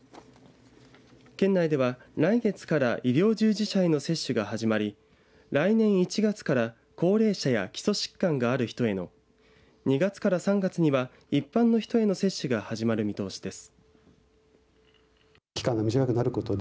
県内では、来月から医療従事者への接種が始まり来年１月から高齢者や基礎疾患がある人への２月から３月には一般の人への接種が始まる見通しです。